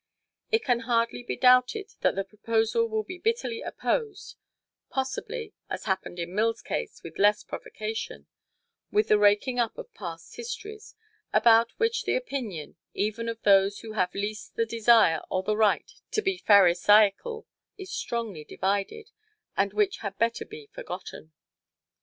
It can hardly be doubted that the proposal will be bitterly opposed, possibly (as happened in Mill's case with less provocation) with the raking up of past histories, about which the opinion even of those who have least the desire or the right to be pharisaical is strongly divided, and which had better be forgotten.